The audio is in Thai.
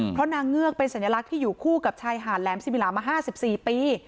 เพราะนางเงือกเป็นสัญลักษณ์ที่อยู่คู่กับชายหาดแหลมสิมิลามา๕๔ปี